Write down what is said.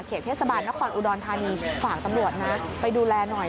เทศบาลนครอุดรธานีฝากตำรวจนะไปดูแลหน่อย